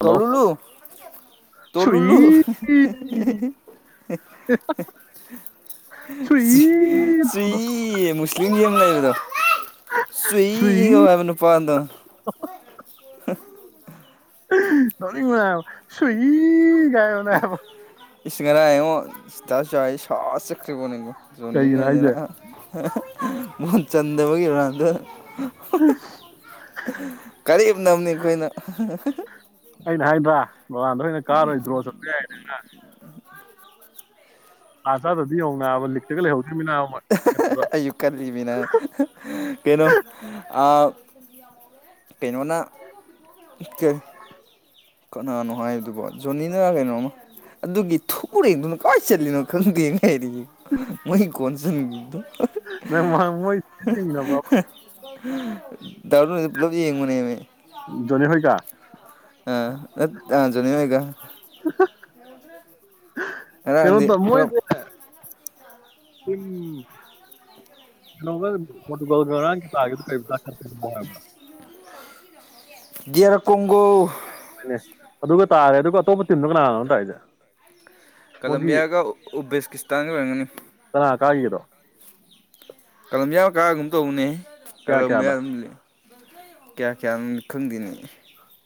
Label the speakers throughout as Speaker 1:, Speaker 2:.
Speaker 1: Hello
Speaker 2: ꯇꯂꯂꯨ ꯇꯂꯂꯨ
Speaker 1: ꯁꯨꯏ ꯁꯨꯏ ꯇꯧꯕꯗꯣ
Speaker 2: ꯁꯤꯔꯤ ꯃꯁꯂꯤꯝ ꯇ ꯌꯦꯦꯝ ꯂꯩꯔꯗꯣ [unintelligible] ꯆꯨꯏ
Speaker 1: ꯁꯨꯏ
Speaker 2: [unintelligible] ꯅꯨꯄꯥꯗꯣ [inaudible]
Speaker 1: ꯅꯣꯛꯅꯤꯡꯕꯅꯦꯕ ꯁꯨꯏ꯫ ꯀꯥꯏꯕꯅꯦ ꯍꯥꯏꯕ
Speaker 2: ꯏꯁ ꯉꯔꯥꯡ ꯏꯉꯣ [unintelligible] ꯁꯥꯎꯔ ꯆꯠꯕꯣꯅꯤꯀꯣ
Speaker 1: ꯀꯩꯒꯤꯅꯣ ꯍꯥꯏꯁꯦ
Speaker 2: ꯖꯣꯅꯤꯒꯖꯤꯅ ꯒꯣꯟ ꯆꯟꯗꯕꯒꯤ ꯔꯣꯅꯥꯟꯗꯣꯅ꯫
Speaker 1: [unintelligible]
Speaker 2: ꯅꯝꯅꯤ ꯑꯩꯈꯣꯏꯅ
Speaker 1: ꯑꯩꯩꯅ ꯍꯥꯏꯗ꯭ꯔ꯫ ꯔꯣꯅꯥꯟꯗꯣ ꯍꯣꯏꯅ ꯀꯥꯔꯣꯏ ꯗ꯭ꯔꯣ ꯆꯠꯄ ꯌꯥꯏ [unintelligible] ꯇꯥꯟ ꯆꯥꯗꯗꯤ ꯌꯦꯡꯉꯣꯅꯕ ꯂꯤꯇꯒ ꯂꯩꯍꯧ
Speaker 2: ꯑꯩꯖꯨ ꯀꯜꯂꯤꯃꯤ ꯅ ꯀꯩꯅꯣ ꯑꯥ ꯀꯩꯅꯣꯅ ꯀꯩ [unintelligible]
Speaker 1: [unintelligible] ꯌꯦꯡ ꯃꯤꯟꯅꯕꯔꯕ꯫
Speaker 2: [unintelligible] ꯗꯥ [unintelligible] ꯄꯨꯂꯕ ꯌꯦꯡꯕꯅꯦꯃꯦ
Speaker 1: ꯖꯣꯅꯤ ꯍꯣꯏꯒ
Speaker 2: ꯑꯥ ꯅꯠ ꯑꯥ ꯖꯣꯅꯤ ꯍꯣꯏꯒ꯫
Speaker 1: ꯀꯩꯅꯣ
Speaker 2: ꯉꯔꯥꯡꯗꯤ ꯈꯔꯞ
Speaker 1: ꯎꯝ ꯀꯩꯅꯣꯒ ꯄꯣꯇꯨꯒꯜꯒ ꯉꯔꯥꯡ ꯇꯥꯒꯤꯕꯗꯣ ꯀꯩꯕ [unintelligible] ꯀꯣꯡꯒꯣ ꯍꯥꯏꯕꯔ꯫
Speaker 2: D R Congo.
Speaker 1: ꯑꯗꯨꯒ ꯇꯥꯔꯦ ꯑꯗꯨꯒ ꯑꯇꯣꯞꯄ ꯇꯤꯝꯗꯣ ꯀꯅꯥ ꯀꯅꯥꯅꯣ ꯇꯥꯏꯖꯦ꯫
Speaker 2: ꯀꯂꯝꯕꯤꯌꯥꯒ ꯎꯕꯦꯁꯀꯤꯁꯇꯥꯟꯒ ꯑꯣꯏꯔꯝꯒꯅꯤ꯫
Speaker 1: ꯀꯥꯏꯒꯤꯗꯣ꯫
Speaker 2: ꯀꯂꯝꯕꯤꯌꯥ ꯀꯥꯒꯤꯒꯨꯝ ꯇꯧꯕꯅꯦ꯫
Speaker 1: ꯀꯌꯥ
Speaker 2: ꯀꯂꯝꯕꯤꯌꯥ
Speaker 1: ꯀꯌꯥꯗ
Speaker 2: ꯑꯗꯨꯝ ꯂꯤ [unintelligible] ꯀꯌꯥ ꯀꯌꯥꯅꯣꯗꯤ ꯈꯪꯗꯦꯅꯦ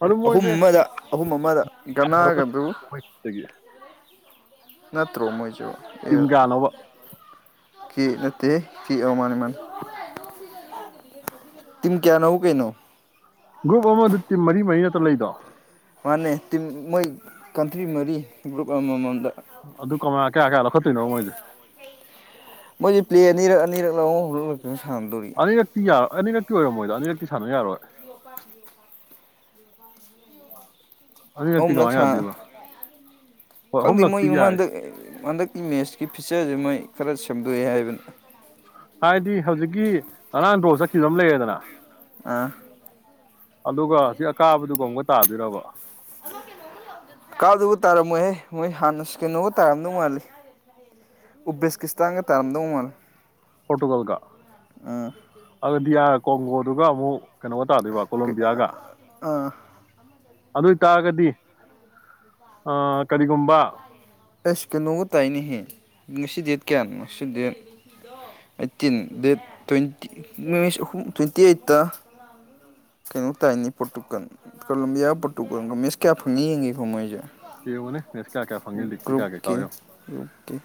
Speaker 1: ꯑꯗꯨ
Speaker 2: ꯑꯍꯨꯝ
Speaker 1: ꯃꯣꯏꯁꯦ
Speaker 2: ꯑꯃꯗ ꯑꯍꯨꯝ ꯑꯃꯗ ꯒꯅꯥꯒꯗꯨ꯫
Speaker 1: ꯃꯣꯔꯣꯛꯀꯣꯗꯒꯤ
Speaker 2: ꯅꯠꯇ꯭ꯔꯣ ꯃꯣꯏꯖꯨ꯫
Speaker 1: ꯇꯤꯝ ꯀꯌꯥꯅꯣꯕ꯫
Speaker 2: ꯀꯦ ꯅꯠꯇ ꯀꯦ ꯃꯥꯅꯦ ꯃꯥꯅꯦ꯫ ꯇꯤꯝ ꯀꯌꯥ ꯅꯣꯕꯣ ꯀꯩꯅꯣ꯫
Speaker 1: ꯒꯔꯨꯞ ꯑꯃꯗ ꯇꯤꯝ ꯃꯔꯤ ꯃꯔꯤ ꯅꯠꯇ꯭ꯔꯣ ꯂꯩꯗꯣ꯫
Speaker 2: ꯃꯥꯅꯦ ꯇꯤꯝ ꯃꯣꯏ ꯀꯟꯇ꯭ꯔꯤ ꯃꯔꯤ ꯒꯔꯨꯞ ꯑꯃꯝꯃꯝꯗ꯫
Speaker 1: ꯀꯩꯅꯣ ꯃꯣꯏꯖꯦ꯫
Speaker 2: ꯃꯣꯏꯖꯦ ꯄꯂꯦ ꯑꯅꯤꯔꯛ ꯑꯅꯤꯔꯛꯂ ꯑꯍꯨꯝ ꯑꯍꯨꯝ ꯑꯗꯨ ꯁꯥꯟꯗꯣꯔꯤ
Speaker 1: ꯑꯅꯤꯔꯛꯇꯤ ꯌꯥꯔ ꯑꯅꯤꯔꯛꯇꯤ ꯑꯣꯏꯔꯝꯃꯣꯏꯗꯣ ꯑꯅꯤꯔꯛꯇꯤ ꯁꯥꯟꯅꯕ ꯌꯥꯔꯣꯏ [unintelligible] ꯑꯅꯤꯔꯛꯇꯤ
Speaker 2: ꯑꯍꯨꯝꯂꯛ
Speaker 1: ꯀꯃꯥꯏꯅ
Speaker 2: ꯁꯥ
Speaker 1: ꯌꯥꯗꯣꯏꯕ ꯍꯣꯏ
Speaker 2: ꯈꯪꯗꯦ ꯃꯣꯏ
Speaker 1: ꯑꯍꯨꯝꯂꯛꯇꯤ ꯌꯥꯏ
Speaker 2: ꯍꯟꯗꯛ ꯍꯟꯗꯛꯀꯤ ꯃꯦꯠꯁꯀꯤ ꯐꯤꯆꯔꯁꯦ ꯃꯣꯏ ꯈꯔ ꯁꯦꯝꯗꯣꯛꯑꯦ ꯍꯥꯏꯕꯅ
Speaker 1: ꯍꯥꯏꯗꯤ ꯍꯧꯖꯤꯛꯀꯤ ꯉꯔꯥꯡ ꯐꯥꯎ ꯆꯠꯈꯤꯕ ꯑꯃ ꯂꯩꯔꯦꯗꯅ
Speaker 2: ꯑꯥ
Speaker 1: ꯑꯗꯨꯒ ꯁꯤ ꯑꯀꯥꯕꯗꯨꯒ ꯑꯃꯨꯛ ꯇꯥꯗꯣꯏꯔꯕ
Speaker 2: ꯀꯥꯗꯒ ꯇꯥꯔꯝꯃꯣꯏꯍꯦ ꯃꯣꯏ ꯍꯥꯟꯅꯁꯨ ꯀꯩꯅꯣꯒ ꯇꯥꯔꯝꯗꯧ ꯃꯥꯜꯂꯤ ꯎꯕꯦꯁꯀꯤꯁꯇꯥꯟꯒ ꯇꯥꯔꯝꯗꯧ ꯃꯥꯜꯂꯦ
Speaker 1: ꯄꯣꯣꯔꯇꯨꯒꯜ ꯀ ꯑꯗꯨꯗꯤꯌꯥ ꯀꯣꯡꯒꯣꯗꯨꯒ ꯑꯃꯨꯛ ꯀꯩꯅꯣꯒ ꯇꯥꯗꯣꯏꯕ ꯀꯣꯂꯝꯣꯕꯤꯌꯥꯒ
Speaker 2: ꯑꯥ
Speaker 1: ꯑꯗꯨ ꯑꯣꯏꯇꯥꯔꯒꯗꯤ ꯀꯔꯤꯒꯨꯝꯕ
Speaker 2: ꯑꯁ ꯀꯩꯅꯣꯒ ꯇꯥꯏꯅꯦꯍꯦ ꯉꯁꯤ ꯗꯦꯠ ꯀꯌꯥꯅꯣ ꯉꯁꯤ ꯗꯦꯠ ꯑꯩꯠꯇꯤꯟ ꯗꯦꯠ ꯇ꯭ꯋꯦꯟꯇꯤꯁ ꯑꯍꯨꯝ ꯇ꯭ꯋꯦꯟꯇꯤ ꯑꯩꯠꯇ ꯀꯩꯅꯣ ꯇꯥꯏꯅꯤ ꯄꯣꯔꯠꯇꯨꯀ ꯀꯣꯂꯝꯕꯤꯌꯥ ꯄꯣꯔꯠꯇꯨꯀꯒꯃꯦꯁ ꯀꯌꯥ ꯐꯪꯉꯤ ꯌꯦꯡꯉꯤꯀꯣ ꯃꯣꯏꯁꯦ
Speaker 1: ꯄꯅꯦ
Speaker 2: ꯒ꯭ꯔꯨꯨꯞꯀꯤ ꯭ꯔꯨꯨꯞꯀꯤ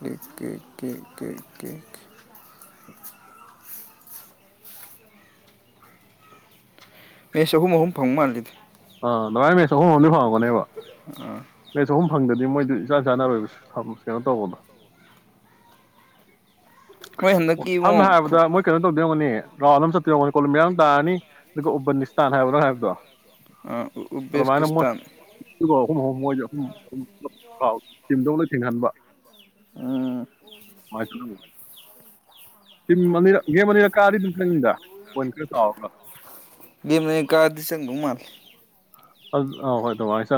Speaker 2: [unintelligible] ꯃꯤꯁ ꯑꯍꯨꯝ ꯑꯍꯨꯝ ꯐꯪ ꯃꯥꯜꯜꯂꯤꯗꯤ
Speaker 1: ꯑ ꯂꯔꯥꯏꯃꯤꯁ ꯎꯅꯤ
Speaker 2: ꯎꯝ
Speaker 1: ꯃꯦ ꯆꯍꯨꯝ ꯐꯪꯗꯗꯤ ꯃꯣꯏꯗꯨ ꯏꯆꯥ ꯆꯥꯟꯅꯔꯣꯏꯕ ꯀꯩꯅꯣ ꯇꯧꯕꯗꯣ
Speaker 2: ꯃꯣꯏ
Speaker 1: ꯑꯣ
Speaker 2: ꯍꯟꯗꯛꯀꯤ
Speaker 1: ꯁꯝꯅ
Speaker 2: ꯏꯕꯨꯡꯉꯣ
Speaker 1: ꯍꯥꯏꯔꯕꯗ
Speaker 2: ꯈꯨꯛ
Speaker 1: ꯃꯣꯏ ꯀꯩꯅꯣ ꯇꯧꯗꯔꯝꯒꯅꯤ ꯔꯥꯎꯜ ꯑꯃꯝ ꯆꯠꯇꯔꯣꯅꯤ ꯀꯣꯂꯨꯝ ꯃꯌꯥꯝ ꯇꯥꯔꯅꯤ ꯑꯗꯨꯒ ꯎꯕꯟ ꯅꯤꯁꯇꯥꯟ ꯍꯥꯏꯕ꯭ꯔꯥ ꯍꯥꯏꯕꯗꯣ
Speaker 2: ꯎꯕꯕꯦꯀꯤꯁꯇꯥꯟ
Speaker 1: ꯎ ꯃꯣꯏꯁꯨ ꯑꯗꯨ ꯇꯤꯝꯗꯧ ꯂꯣꯏ ꯊꯤꯡꯍꯟꯕ
Speaker 2: ꯎꯝ
Speaker 1: ꯃꯅ ꯃꯅꯤꯔꯛ ꯒꯦꯝ ꯃꯅꯤꯔꯛ ꯀꯥꯔꯤꯗꯨꯝ ꯅꯪꯗ
Speaker 2: ꯦꯝꯅ ꯀꯥꯪ ꯎ ꯃꯥꯜ
Speaker 1: ꯑ ꯑ ꯍꯣꯏ ꯑꯗꯨꯏ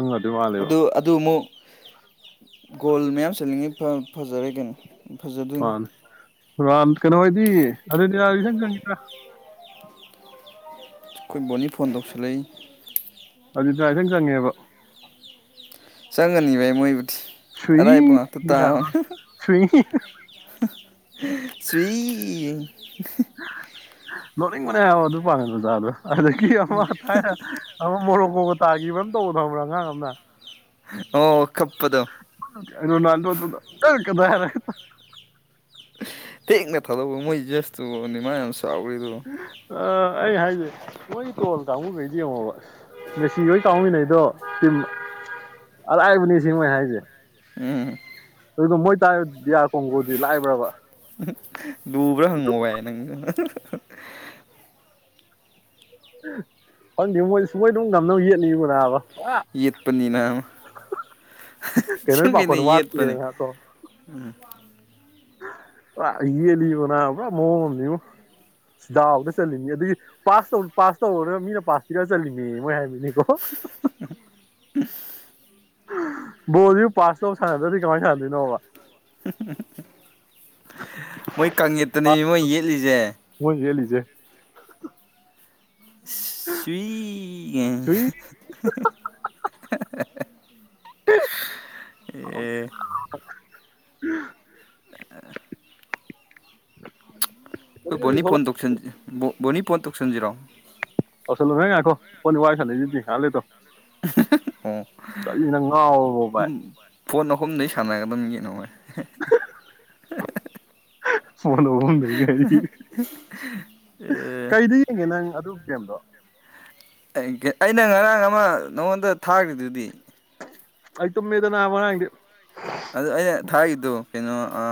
Speaker 2: ꯑꯗꯨ ꯑꯗꯨ ꯑꯃꯨꯛ ꯒꯣꯜ ꯃꯌꯥꯝ ꯆꯅꯤꯡꯉꯤ ꯐꯖꯔꯒꯅꯤ ꯐꯖꯗ
Speaker 1: ꯔꯝ ꯀꯩꯅꯣ ꯍꯥꯏꯗꯤ ꯑꯗꯨꯗꯤ ꯏꯁꯪ ꯆꯪꯒꯗ꯭ꯔ
Speaker 2: ꯑꯩꯈꯣꯏ ꯕꯣꯅꯤ ꯐꯣꯟ ꯇꯧꯁꯤꯜꯂꯛꯏ
Speaker 1: ꯑꯗꯨꯗꯥꯏꯇꯪ ꯆꯪꯉꯦꯕ
Speaker 2: ꯆꯒ ꯅꯚ ꯃꯣꯏ
Speaker 1: ꯁꯏꯔ ꯁꯏ
Speaker 2: ꯁ꯭ꯨꯏ
Speaker 1: ꯂꯣꯅꯤꯡꯕꯅꯦ ꯑꯗꯨ ꯄꯥꯉ ꯑꯣꯖꯥꯗꯣ ꯑꯗꯗꯒꯤ ꯑꯃ ꯊ ꯑꯃ ꯃꯣꯔ ꯀꯣ ꯀ ꯇꯥꯈꯤꯕ ꯑꯃ ꯇꯧꯕ ꯊꯕ꯭ꯔꯥ ꯑꯉꯥꯡ ꯑꯃꯅ
Speaker 2: ꯑꯣ ꯈꯞꯄꯗꯣ
Speaker 1: ꯔꯣꯅꯥꯜꯗꯣ ꯀ ꯀꯗꯥ
Speaker 2: ꯊꯦꯡꯅ ꯊꯥꯗꯧꯕ ꯃꯣꯏꯖꯁꯇꯨꯅꯤ ꯃꯌꯥꯝ ꯆꯔꯤꯗꯨ
Speaker 1: ꯑ ꯑꯩ ꯍꯥꯏꯁꯦ ꯃꯣꯏꯒꯤ ꯇꯣꯜ ꯀꯥꯡꯕꯨꯈꯩ ꯌꯦꯡꯉꯣꯕ ꯉꯁꯤ ꯂꯣꯏ ꯀꯥꯎꯃꯤꯟꯅꯩꯗꯣ ꯇꯝ ꯑꯔꯥꯏꯕꯅꯤ ꯁꯤ ꯃꯣꯏ ꯍꯥꯏꯁꯦ
Speaker 2: ꯎꯝ
Speaker 1: ꯑꯗꯨꯗꯣ ꯃꯣꯏ ꯇꯥꯔ ꯗꯤꯌꯥ ꯀꯣꯡꯒꯣꯗꯤ ꯂꯥꯏꯕ꯭ꯔꯕ
Speaker 2: ꯕ꯭ꯔꯥ ꯍꯪꯕ ꯌꯥ ꯅꯪ [inaudible]
Speaker 1: ꯈꯪꯗ ꯃꯣꯏ ꯁ ꯃꯣꯏ ꯑꯗꯨꯝ ꯉꯝꯅꯕ ꯌꯦꯠꯅꯤꯕ ꯅꯥꯕ ꯄꯨꯔꯥ
Speaker 2: ꯌꯦꯠꯄꯅꯤꯅ
Speaker 1: ꯀꯩꯅꯣꯒꯤ
Speaker 2: ꯆꯪ ꯀꯩꯅ
Speaker 1: ꯄꯥꯈꯣꯟ
Speaker 2: ꯌꯦꯠꯄꯅꯦ
Speaker 1: ꯋꯥꯠꯇꯦꯅꯀꯣ
Speaker 2: ꯎꯝ
Speaker 1: ꯌꯦꯜꯂꯤꯕꯅ ꯄꯨꯥ ꯃꯑꯣꯡ ꯑꯃꯅꯦ ꯁꯤꯗꯥꯎꯕꯗ ꯆꯠꯅꯤ ꯑꯗꯨꯒꯤ ꯄꯥꯁ ꯇꯧ ꯄꯥꯁ ꯇꯧꯔꯒ ꯃꯤꯅ ꯄꯥꯁ ꯄꯤꯔꯒ ꯆꯠꯂꯤꯅꯦ ꯃꯣꯏ ꯍꯥꯏꯕꯅꯤ ꯅꯤꯀꯣꯣ ꯕꯣꯗꯤꯨ ꯄꯥꯁ ꯇꯧ ꯁꯥꯟꯅꯗ꯭ꯔꯗꯤ ꯀꯃꯥꯏꯅ ꯁꯥꯟꯅꯗꯣꯏꯅꯣꯕ
Speaker 2: ꯃꯣꯏ ꯀꯪꯉꯠꯇꯅꯦ ꯃꯣꯏ ꯌꯦꯠꯂꯤꯁꯦ
Speaker 1: ꯦ
Speaker 2: ꯁ꯭ꯋꯤꯒꯦ
Speaker 1: ꯁꯨꯏ
Speaker 2: [inaudible] ꯑꯦ
Speaker 1: ꯎ
Speaker 2: ꯑ ꯑꯩꯈꯣꯏ
Speaker 1: ꯍꯧꯖꯤꯛ
Speaker 2: ꯕꯣꯅꯤ
Speaker 1: ꯊꯣꯛꯂꯛ
Speaker 2: ꯐꯣꯟ ꯇꯧꯁꯟꯦ ꯕꯣꯅꯤꯄꯣꯟ ꯇꯧꯁꯤꯟꯖꯔꯣꯑꯣ
Speaker 1: ꯑꯂꯣ ꯅ ꯑꯈꯣ ꯄ ꯋꯥꯏꯁꯗꯤ ꯑꯂꯦ ꯇꯣ
Speaker 2: ꯑꯣ
Speaker 1: ꯀꯅꯪ ꯉꯥꯎꯕꯣꯚꯥꯏ
Speaker 2: ꯐꯣꯟ ꯑꯍꯨꯝꯗꯩ ꯁꯥꯟꯅꯒꯗꯕꯒꯤ ꯅꯣꯣꯏ [inaudible] ꯑ
Speaker 1: ꯐꯣꯟꯗꯨꯝꯗ ꯀꯔꯤ ꯀꯩꯗ ꯌꯦꯡꯒꯦ ꯅꯪ ꯑꯗꯨ ꯒꯦꯝꯗꯣ
Speaker 2: ꯑꯩꯅ ꯉꯔꯥꯡ ꯑꯃ ꯅꯉꯣꯟꯗ ꯊꯥꯈ꯭ꯔꯤꯗꯨꯗꯤ
Speaker 1: ꯑꯩ ꯇꯃꯦꯗꯅꯕꯦ
Speaker 2: ꯑꯗꯨ ꯑꯩꯅ ꯊꯥꯒꯤꯗꯨ ꯀꯩꯅꯣ ꯑ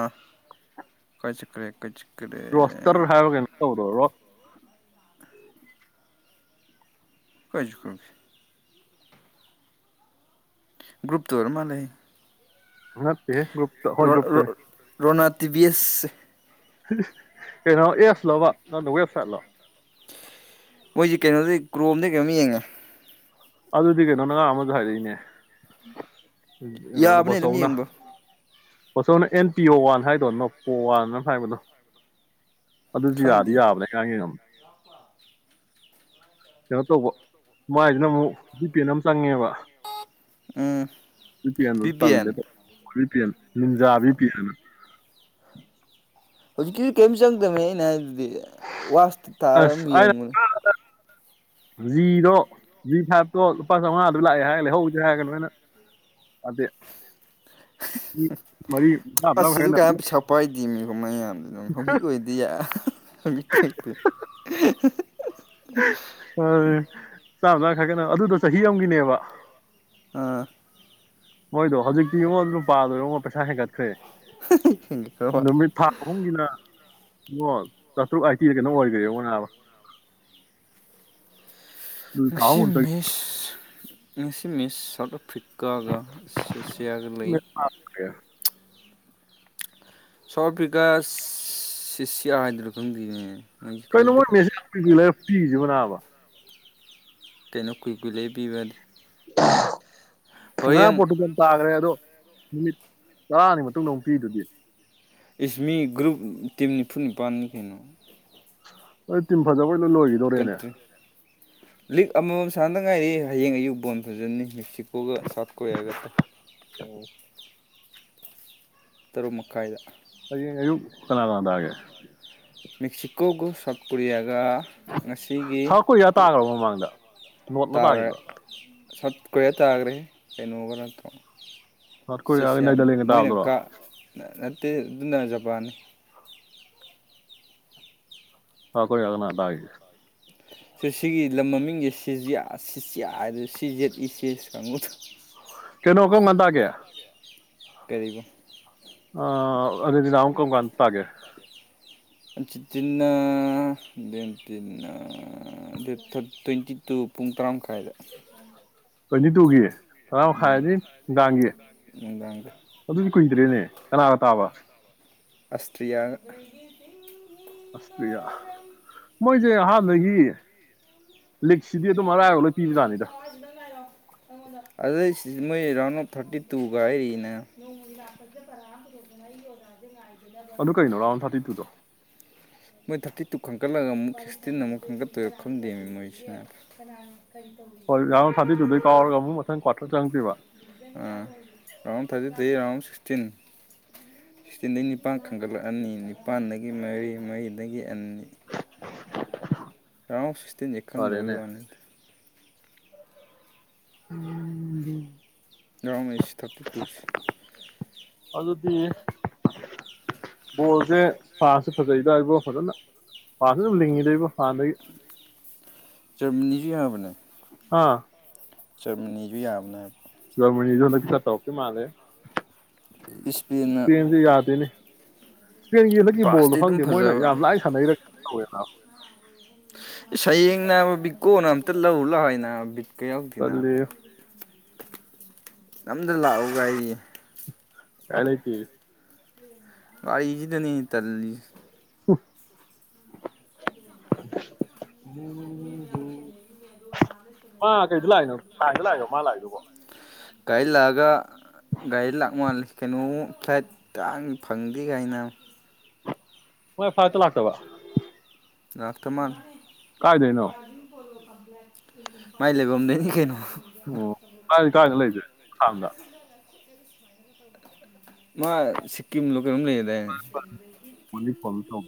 Speaker 2: ꯀꯥꯏ ꯆꯈ꯭ꯔꯦ ꯀꯥꯏ ꯆꯠꯈ꯭ꯔꯦ
Speaker 1: ꯔꫭꯁꯇꯔ ꯍꯥꯔ ꯀꯩꯅꫭ ꯇꯧꯗ ꯔꯣꯗ
Speaker 2: ꯀꯥꯏ ꯆꯠꯈ꯭ꯔꯒꯦ ꯒ꯭ꯔꯨꯨꯞꯇ ꯑꫭꯏꯔ ꯃꯥꯂꯦ ꯍꯦ
Speaker 1: ꯅꯠꯇꯦꯍꯦ ꯒ꯭ꯔꯨꯨꯞꯇ ꯍꯣꯏ ꯒ꯭ꯔꯨꯞꯇꯅꯤ
Speaker 2: ꯗꯤꯚꯤꯌꯁꯦ
Speaker 1: ꯀꯩꯅꯣ ꯑꯦꯞꯁ ꯂꯕ ꯅꯪꯗꫭ ꯋꯦꯕꯁꯥꯏꯠꯂꯣ
Speaker 2: ꯃꯣꯏꯁꯤ ꯀꯩꯅꯣꯗꯩ ꯀ꯭ꯔꯣꯝꯗꯩ ꯀꯩꯅꯣꯝ ꯌꯦꯡꯉꯦ
Speaker 1: ꯑꯗꯨꯗꯤ ꯀꯩꯅꯣꯅ ꯑꯉꯥꯡ ꯑꯃꯅꯁꯨ ꯍꯥꯏꯔꯛꯏꯅꯦ [unintelligible]
Speaker 2: ꯌꯥꯕꯅꯦ ꯑꯗꯨꯝ
Speaker 1: ꯕꫭꯆꯎꯅ
Speaker 2: ꯌꯦꯡꯕ
Speaker 1: ꯄꫭꯆꯧꯅ ꯑꯦꯟ ꯄꯤꯌꯣ ꯋꯥꯟ ꯍꯥꯏꯗꯣ ꯅꯣ ꯄꯣ ꯋꯥꯟꯅ ꯍꯥꯏꯕꯗꯣ ꯑꯗꯨꯁꯨ ꯌꯥꯗꯤ
Speaker 2: ꯈꯪꯗꯦ
Speaker 1: ꯌꯥꯕꯅꯦ ꯉꯔꯥꯡ ꯌꯦꯡꯉꯝꯃꯦ ꯀꯩꯅꯣ ꯇꯧꯕ ꯃꯥꯏꯁꯤꯅ ꯑꯃꯨꯛ ꯚꯤꯄꯤ ꯑꯦꯟ ꯑꯃ ꯆꯪꯉꯦꯕ
Speaker 2: ꯑ V P N
Speaker 1: V P N ꯅꯤꯟꯖꯥ ꯚꯤ ꯄꯤ ꯑꯦꯟ ꯑꯅ [inaudible]
Speaker 2: ꯍꯧꯖꯤꯛ ꯀꯤ ꯀꯩꯝ ꯆꯪꯗꯝꯅꯦ ꯑꯩꯅ ꯍꯥꯏꯗꯨ ꯋꯥꯁꯇ ꯊꯥꯔ ꯑꯝ
Speaker 1: ꯑꯁ ꯑꯩꯅ
Speaker 2: ꯌꯦꯡꯉꯨꯅꯦ
Speaker 1: ꯖꯤꯗꯣ ꯖꯤ ꯐꯥꯏꯚꯇꯣ ꯂꯨꯄꯥ ꯆꯥꯃꯉꯥꯗꫭ ꯂꯥꯛꯑꯦ ꯍꯥꯏꯔꯒ ꯂꯩꯍꯧꯁꯦ ꯍꯥꯏꯔꯒ ꯅꯣꯏꯅ ꯌꯥꯗꯦ ꯃꯤ ꯃꯔꯤ ꯆꯥꯝꯃ ꯆꯥꯝꯃ
Speaker 2: ꯑꯁ ꯑꯗꯨ
Speaker 1: ꯈꯥꯏꯒꯠꯅꯕ
Speaker 2: ꯀꯌꯥ ꯄꯩꯁꯥ ꯄꯥꯏꯗꯦꯃꯤ ꯃꯌꯥꯝ ꯍꯧꯖꯤꯛꯀꯤ ꯑꯣꯏꯅꯗꯤ ꯌꯥꯏ [unintelligible]
Speaker 1: ꯑ ꯆꯥꯝ ꯆꯥꯝ ꯈꯥꯏꯒꯠꯅꯔ ꯑꯗꯨꯗꫭ ꯆꯍꯤ ꯑꯝꯒꯤꯅꯦꯕ
Speaker 2: ꯑ
Speaker 1: ꯃꯣꯏꯗꯣ ꯍꯧꯖꯤꯛꯇꯤ ꯏꯉꫭ ꯑꯗꯨ ꯅꯨꯄꯥꯗꯨ ꯏꯉꫭ ꯄꯩꯁꯥ ꯍꯦꯟꯒꯠꯈ꯭ꯔꯦ ꯅꯨꯃꯤꯠ ꯊꯥ ꯑꯍꯨꯝꯒꯤꯅ ꯑꯣ ꯆꯇ꯭ꯔꯨ ꯑꯥꯏꯇꯤ ꯔ ꯀꯩꯅꫭꯝ ꯑꯣꯏꯒ꯭ꯔꯦ ꯅꯥꯕꯥ
Speaker 2: ꯉꯁꯤ ꯃꯤꯁ ꯉꯁꯤ ꯃꯤꯁ ꯁꯥꯎꯠ ꯑꯐ꯭ꯔꯤ ꯀꯥꯒ ꯁꯤ ꯁꯤꯌꯥꯒ ꯂꯩ ꯁꯥꯎꯠ ꯑꯐ꯭ꯔꯤꯀꯥ ꯁꯤꯁꯤꯌꯥ ꯍꯥꯏꯗꯨꯔꯥ ꯈꯪꯗꯤꯅꯦ
Speaker 1: ꯀꯩꯅꯣꯃꯣꯏ ꯃꯦꯁꯤ ꯌꯥꯝ ꯀꯨꯏ ꯀꯨꯏ ꯂꯩꯔ ꯄꯤꯔꯤꯁꯤꯕꫭ ꯅꯥꯕꯥ
Speaker 2: ꯀꯩꯅꯣ ꯀꯨꯏ ꯀꯨꯏ ꯂꯩ ꯄꯤꯕꯥꯗꯤ
Speaker 1: [inaudible] ꯉꯥ ꯄꯣꯠꯇꯨꯗꯤ ꯌꯥꯝ ꯇꯥꯈ꯭ꯔꯦ ꯑꯗꯣ ꯅꯨꯃꯤꯠ ꯇꯔꯥꯅꯤ ꯃꯇꯨꯡꯗ ꯑꯃꯨꯛ ꯄꯤꯗꯨꯗꯤ
Speaker 2: ꯏꯁ ꯃꯤ ꯒ꯭ꯔꯨꯞ ꯇꯤꯝꯅꯤ ꯐꯨꯠ ꯅꯤꯄꯥꯟꯅꯤ ꯀꯩꯅꯣ
Speaker 1: ꯍ ꯇꯤꯝ ꯐꯖꯕꯦ ꯂ ꯂꯣꯏꯈꯤꯗꯣꯔꯦꯅꯦ
Speaker 2: ꯀꯟꯇ꯭ꯔꯤ ꯂꯤꯛ ꯑꯃꯃꯝ ꯁꯥꯟꯗ ꯉꯥꯏꯔꯛ ꯍꯌꯦꯡ ꯑꯌꯨꯛ ꯕꯣꯟ ꯐꯖꯅꯤ ꯃꯦꯛꯁꯤꯀꯣꯒ ꯁꯠ ꯑꯣꯏꯦꯒꯠꯇ ꯇꯔꯨꯛ ꯃꯈꯥꯏꯗ
Speaker 1: ꯑꯌꯦ ꯑꯌꯨꯛ ꯀꯅꯥ ꯋꯥꯗꯒꯦ
Speaker 2: ꯃꯦꯛꯁꯤꯀꯣꯒ ꯁꯥꯎꯠ ꯀꯣꯔꯤꯌꯥꯒ ꯑ ꯉꯁꯤꯒꯤ
Speaker 1: ꯁꯥꯎꯠ ꯀꯣꯔꯤꯌꯥ ꯇꯥꯈ꯭ꯔꯕ ꯃꯃꯥꯡꯗ ꯅꯣꯔꯠꯂ
Speaker 2: ꯇꯥꯔꯦ
Speaker 1: ꯇꯥꯈꯤꯕꯗꯣ
Speaker 2: ꯁꯠ ꯀꯣꯏꯌꯥ ꯇꯥꯈ꯭ꯔꯦ ꯀꯩꯅꯣꯕ ꯅꯠꯇ
Speaker 1: ꯁꯥꯎꯠ ꯀꯣꯔꯤꯌꯥꯒ
Speaker 2: ꯁꯤꯁꯌꯥ
Speaker 1: ꯅꯩꯗꯔꯂꯦꯟꯒ
Speaker 2: ꯃꯣꯏꯅ
Speaker 1: ꯇꯥꯕꯗꯨꯔꯣ
Speaker 2: ꯀꯥ ꯅꯠꯇꯦ ꯑꯗꯨꯅ ꯖꯄꯥꯟ
Speaker 1: ꯍ ꯀ ꯌꯥꯅꯗꯏ
Speaker 2: ꯁꯤ ꯁꯤꯒꯤ ꯂꯝ ꯃꯃꯤꯡꯁꯦ ꯁꯤꯖꯤꯌꯥ ꯁꯤꯖꯌꯥ ꯍꯥꯏꯗ ꯁꯤꯖꯦꯠ ꯏꯆꯦ ꯀꯥꯡꯉꯨꯗ
Speaker 1: ꯀꯩꯅꯣ ꯀ ꯉꯟ ꯇꯒꯦ
Speaker 2: ꯀꯔꯤꯒꯨꯝ
Speaker 1: ꯑ ꯑꯗꯨꯗꯗꯤꯅ ꯍꯧꯪꯀꯕ ꯇꯑꯒꯦ
Speaker 2: ꯇꯤꯟꯅ ꯗꯤꯟꯅ ꯗꯦꯠ ꯇ꯭ꯋꯦꯟꯇꯤ ꯇꯨ ꯄꯨꯡ ꯇꯔꯥ ꯃꯈꯥꯏꯗ
Speaker 1: ꯇ꯭ꯋꯦꯟꯇꯤ ꯇꯨꯒꯤ ꯇꯔꯥ
Speaker 2: ꯎꯝ
Speaker 1: ꯃꯈꯥꯏꯗꯤ ꯅꯨꯡꯗꯥꯡꯒꯤ
Speaker 2: ꯅꯨꯡꯗꯥꯡꯗ
Speaker 1: ꯑꯗꯨꯗꯤ ꯀꯨꯏꯗ꯭ꯔꯦꯅꯦ ꯀꯅꯥꯒ ꯇꯥꯕ
Speaker 2: ꯑꯁꯇꯔꯤꯂꯤꯌꯥ
Speaker 1: ꯑꯁꯇꯌꯥ ꯃꯣꯏꯁꯦ ꯑꯍꯥ ꯅꯗꯒꯤ
Speaker 2: ꯑꯗꯨꯗ ꯃꯣꯏ ꯔꯟ ꯑꯣꯐ ꯊꯥꯔꯇꯤ ꯇꯨ ꯀ ꯍꯥꯏꯔꯤꯅ
Speaker 1: ꯑꯗꯨ ꯀꯩꯅꯣ ꯔꯥꯎꯟ ꯊꯥꯔꯇꯤ ꯇꯨꯗꯣ
Speaker 2: ꯃꯣꯏ ꯊꯥꯔꯇꯤ ꯇꯨ ꯈꯟꯀꯠꯂꯒ ꯑꯃꯨꯛ ꯁꯤꯛꯁꯇꯤꯟ ꯑꯃꯨꯛ ꯈꯟꯀꯠꯇꯣꯏꯔ ꯈꯪꯗꯦꯃꯤ ꯃꯣꯏꯁꯤꯅ
Speaker 1: ꯍꯣꯏꯒꯥ ꯁꯕꯤꯤ ꯗꯨꯕꯤꯔꯀꯥꯔꯒ ꯃꯨ ꯃꯊꯪ ꯀ ꯆꯪꯤ ꯋꯥ
Speaker 2: ꯔꯥꯎꯟ ꯊꯥꯔꯇꯤꯗꯒꯤ ꯔꯥꯎꯟ ꯁꯤꯛꯁꯇꯤꯟ ꯁꯤꯛꯁꯇꯤꯟꯗꯒꯤ ꯅꯤꯄꯥꯟ ꯈꯟꯒꯠꯂꯛꯑꯅꯤ ꯅꯤꯄꯥꯜꯗꯒꯤ ꯃꯔꯤ ꯃꯔꯤꯗꯒꯤ ꯑꯅꯤ ꯔꯥꯎ ꯁꯁ
Speaker 1: ꯐꯔꯦꯅꯦ
Speaker 2: ꯇꯈꯀꯗꯧꯕ ꯅꯠꯇ
Speaker 1: ꯎꯝ
Speaker 2: ꯔꯝꯁ ꯊꯥꯔꯇꯤ ꯇꯨ
Speaker 1: ꯗꯤ ꯕꯣꯜꯁꯦ ꯐꯁꯨꯦ ꯐꯖꯩꯗꯏꯕꯣ ꯐꯖꯅ ꯐꯥꯁ ꯑꯗꯨꯝ ꯂꯤꯡꯉꯤꯗꯣꯏꯕ ꯐꯥꯅ
Speaker 2: ꯀ ꯍꯥꯕꯅꯦ
Speaker 1: ꯑꯥ
Speaker 2: ꯆꯔꯃꯅꯤꯁꯨ ꯌꯥꯝꯅ ꯍꯥꯏꯕ
Speaker 1: ꯌꯂ ꯆ ꯇꯣꯞꯀꯤ ꯃꯥꯂꯦ
Speaker 2: ꯏꯁꯄꯦꯟꯅ
Speaker 1: ꯏꯁꯄꯗꯤ ꯌꯥꯗꯅꯤ ꯏꯁꯄꯦꯟꯒꯤ ꯍꯟꯗꯛ ꯕꯣꯜꯗꯣ
Speaker 2: ꯄꯥꯁꯇꯤ ꯑꯗꯨꯝ
Speaker 1: ꯐꯪꯗꯦ ꯃꯣꯏꯅ
Speaker 2: ꯐꯖꯕ
Speaker 1: ꯌꯥꯝ ꯂꯥꯏꯅ ꯁꯥꯟꯅꯩꯔꯦ ꯀꯧꯋꯦꯗ
Speaker 2: ꯁ ꯅ ꯀꯣꯝ ꯑꯇ ꯂꯧꯎ ꯂꯑꯣꯣꯏꯅ ꯕꯤꯠ ꯀꯩ ꯌꯥꯎꯗꯅ
Speaker 1: ꯇꯜꯂꯤ
Speaker 2: ꯑꯝꯇ ꯂꯥꯛꯎꯒꯥꯏꯔꯤ
Speaker 1: ꯀꯅꯤꯇ
Speaker 2: ꯋꯥꯔꯤꯒꯥꯔꯤꯁꯤꯗꯅꯦ ꯇꯜꯂꯤ
Speaker 1: ꯃꯥ ꯀꯩꯗ ꯂꯥꯛꯏꯅꯣ ꯂꯥꯏꯗ ꯂꯥꯛꯏꯦꯅꯣ ꯃꯥ ꯂꯥꯛꯏꯗꯨꯕꯣ
Speaker 2: ꯒꯥꯔꯤ ꯂꯥꯛꯑꯒ ꯒꯥꯔꯤ ꯂꯥꯛ ꯃꯥꯜꯂꯦ ꯀꯩꯅꯣ ꯐ꯭ꯂꯥꯏꯠ ꯇꯥꯡ ꯐꯪꯗꯦ ꯀꯥꯏꯅ
Speaker 1: ꯍꯣꯏ ꯐꯥꯏꯠꯇ ꯂꯥꯛꯇꯕ
Speaker 2: ꯂꯥꯛꯇ ꯃꯥꯥꯟ
Speaker 1: ꯀꯥꯏꯗꯩꯅꯣ
Speaker 2: ꯉꯗꯤ ꯀꯣꯣ ꯃꯥꯏ ꯂꯩꯐꯝꯝꯗꯅꯤ ꯀꯩꯅꯣ
Speaker 1: ꯑꯣ ꯀꯥꯏ ꯀꯥꯅꯂ ꯂꯩꯗꯦ ꯊꯥꯎꯗ
Speaker 2: ꯃꯥ ꯁꯤꯀꯤꯝ ꯂꯣꯀꯦꯜ ꯑꯃ ꯂꯩꯗ ꯐ꯭ꯂꯦ
Speaker 1: ꯀꯅꯤ ꯐ ꯇꯝ